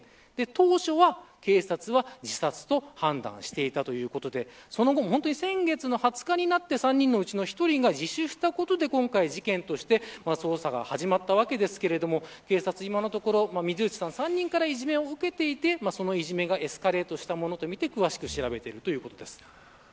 当初、警察は自殺と判断していたということでその後、ほんとに先月の２０日になって、３人のうちの１人が自首したことで今回、事件として捜査が始まったわけですけど警察は今のところ水内さんが３人からいじめを受けていてそのいじめがエスカレートしたものとみて、詳しく調べているということです。